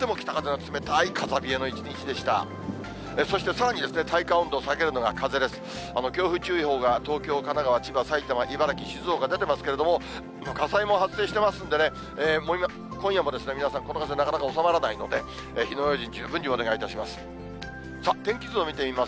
強風注意報が東京、神奈川、千葉、埼玉、茨城、静岡、出てますけども、火災も発生してますんでね、今夜も皆さん、この風なかなか収まらないので、火の用心、十分にお願いいたします。